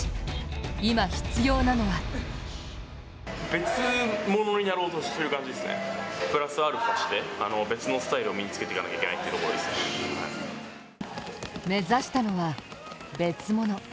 今必要なのは目指したのは別物。